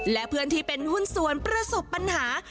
และเพื่อนที่เป็นหุ้นส่วนประสบปัญหา